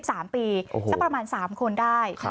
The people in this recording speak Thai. ๓ปีสักประมาณ๓คนได้